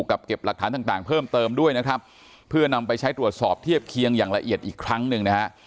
เก็บหลักฐานต่างต่างเพิ่มเติมด้วยนะครับเพื่อนำไปใช้ตรวจสอบเทียบเคียงอย่างละเอียดอีกครั้งหนึ่งนะฮะ